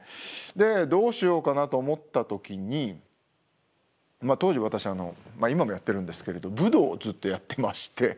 でどうしようかなと思った時に当時私今もやってるんですけれど武道をずっとやってまして。